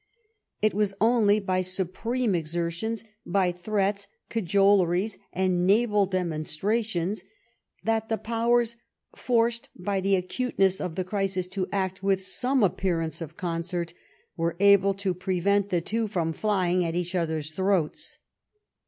It was only by supreme exertions, by threats, cajoleries, and naval demonstrations, that the Powers, forced by the acuteness of the crisis to act with some appearance of concert, were able to prevent the two from flying at each other's throats.